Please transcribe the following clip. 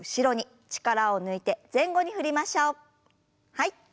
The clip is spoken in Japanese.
はい。